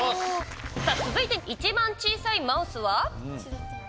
さあ続いて一番小さいマウスは。